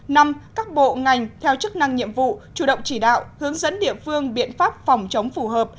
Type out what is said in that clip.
năm các bộ ngành theo chức năng nhiệm vụ chủ động chỉ đạo hướng dẫn địa phương biện pháp phòng chống phù hợp